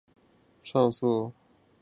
法院裁定上述交易令伟仕的股价上升。